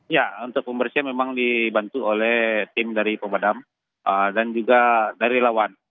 ya untuk pembersihan memang dibantu oleh tim dari pemadam dan juga dari lawan